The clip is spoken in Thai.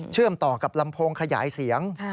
เชื่อมต่อกับลำโพงขยายเสียง